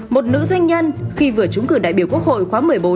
một nữ doanh nhân khi vừa trúng cử đại biểu quốc hội khóa một mươi bốn